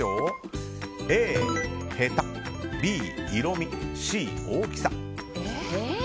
Ａ、へたＢ、色味Ｃ、大きさ。